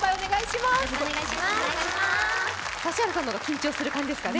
指原さんの方が緊張する感じですかね？